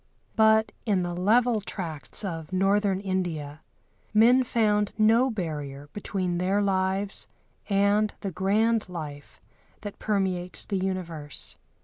But in the level tracts of Northern India men found no barrier between their lives and the grand life that permeates the universe.